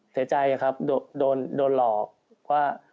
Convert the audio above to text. เสียใจความว่าโดนหลอก